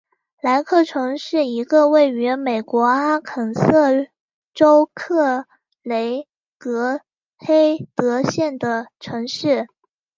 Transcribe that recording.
莱克城是一个位于美国阿肯色州克雷格黑德县的城市。